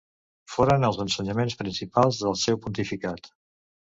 Foren els ensenyaments principals del seu pontificat.